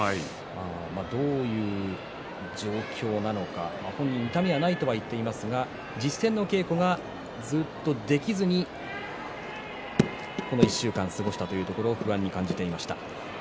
どういう状況なのか本人は痛みはないと言っていますが実戦の稽古ができずにこの１週間過ごしたというところを不安に感じていました。